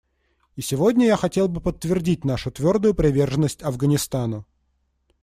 И сегодня я хотел бы подтвердить нашу твердую приверженность Афганистану.